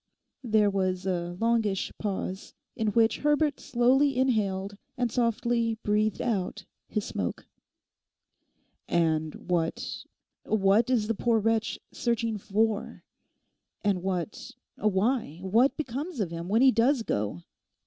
There was a longish pause, in which Herbert slowly inhaled and softly breathed out his smoke. 'And what—what is the poor wretch searching for? And what—why, what becomes of him when he does go?